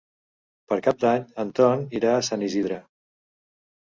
Per Cap d'Any en Ton irà a Sant Isidre.